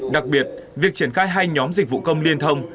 đặc biệt việc triển khai hai nhóm dịch vụ công liên thông